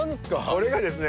これがですね